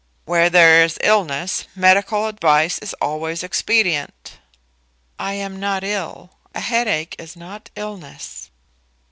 "Where there is illness, medical advice is always expedient." "I am not ill. A headache is not illness."